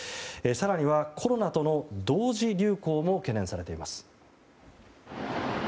更にはコロナとの同時流行も懸念されています。